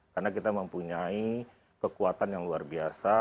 karena kita mempunyai kekuatan yang luar biasa